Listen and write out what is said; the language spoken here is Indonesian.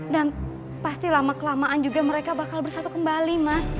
dan pasti lama kelamaan juga mereka bakal bersatu kembali mas